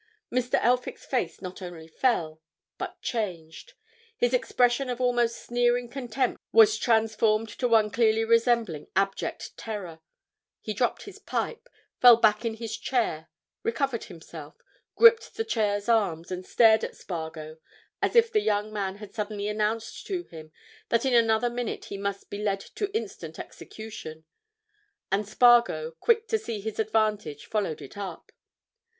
Mr. Elphick's face not only fell, but changed; his expression of almost sneering contempt was transformed to one clearly resembling abject terror; he dropped his pipe, fell back in his chair, recovered himself, gripped the chair's arms, and stared at Spargo as if the young man had suddenly announced to him that in another minute he must be led to instant execution. And Spargo, quick to see his advantage, followed it up.